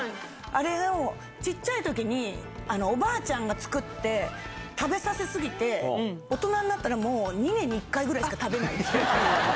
あれを、ちっちゃいときに、おばあちゃんが作って、食べさせ過ぎて、大人になったらもう２年に１回くらいしか食べない。